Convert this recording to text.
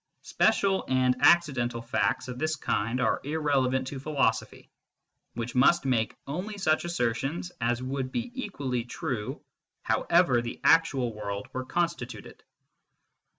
Special and accidental facts of this kind are irrelevant to philosophy, which must make only such assertions as would be equally true however the actual world were constituted.